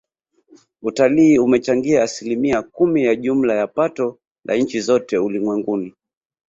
Utalii umechangia asilimia kumi ya jumla ya pato la nchi zote ulimwenguni